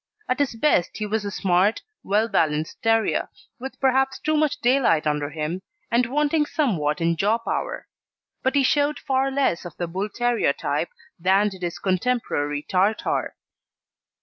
At his best he was a smart, well balanced terrier, with perhaps too much daylight under him, and wanting somewhat in jaw power; but he showed far less of the Bull terrier type than did his contemporary Tartar.